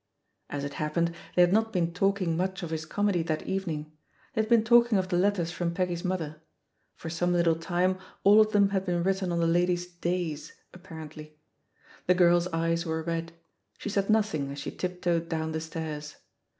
As it happened, they had not been talking piuch of his comedy that evening — ^they had been talking of the letters from Peggy's mother; for some little time all of them had been written on the lady's "days" apparently. The girl's eyes were red; she said nothing as she tiptoed down the stairs.